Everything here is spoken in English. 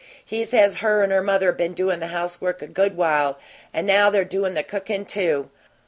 He says her and her mother been doin' the housework a good while, and now they're doin' the cookin,' too.